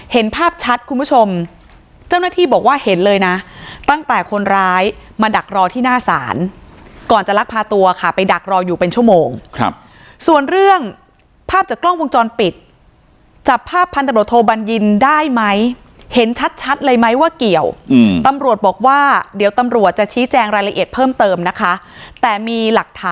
เห็นภาพชัดคุณผู้ชมเจ้าหน้าที่บอกว่าเห็นเลยนะตั้งแต่คนร้ายมาดักรอที่หน้าศาลก่อนจะลักพาตัวค่ะไปดักรออยู่เป็นชั่วโมงครับส่วนเรื่องภาพจากกล้องวงจรปิดจับภาพพันตำรวจโทบัญญินได้ไหมเห็นชัดชัดเลยไหมว่าเกี่ยวอืมตำรวจบอกว่าเดี๋ยวตำรวจจะชี้แจงรายละเอียดเพิ่มเติมนะคะแต่มีหลักฐาน